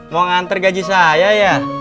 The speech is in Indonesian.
mau ngantar gaji saya ya